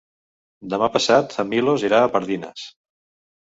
Demà passat en Milos irà a Pardines.